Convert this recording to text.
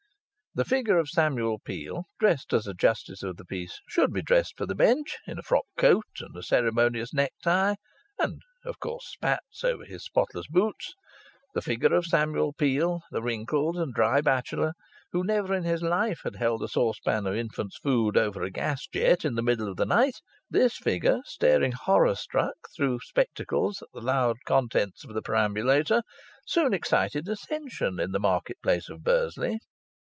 The figure of Samuel Peel, dressed as a Justice of the Peace should be dressed for the Bench, in a frock coat and a ceremonious necktie, and (of course) spats over his spotless boots; the figure of Samuel Peel, the wrinkled and dry bachelor (who never in his life had held a saucepan of infant's food over a gas jet in the middle of the night), this figure staring horror struck through spectacles at the loud contents of the perambulator, soon excited attention in the market place of Bursley.